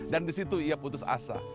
dan disitu ia putus asa